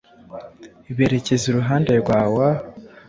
berekeza iruhande rwa wa